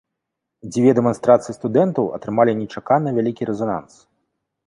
Дзве дэманстрацыі студэнтаў атрымалі нечакана вялікі рэзананс.